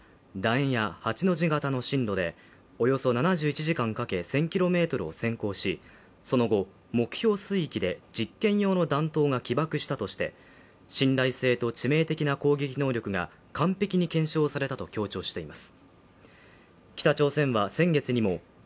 円形や８の字型の針路でおよそ７１時間かけ１０００ｋｍを潜航しその後、目標水域で実験用の弾頭が起爆したとして信頼性と致命的な攻撃能力が完璧に検証されたと強調しています。